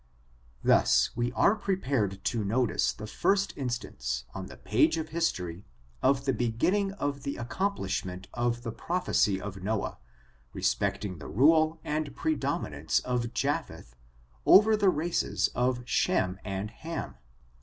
Thus we are prepared to notice the first instancei on the page of history, of the beginning of the ac complishmentof the prophecy of Noah, respecting the rule and predominance of Japheth over the races of Shem and Ham.